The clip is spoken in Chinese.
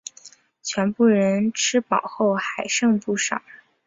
全部人都吃饱后还剩不少